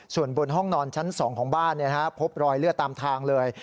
ส่วนบนห้องนอนชั้น๒ของบ้านพบรอยเลือดตามทางเลย